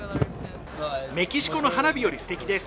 メキシコの花火よりすてきです。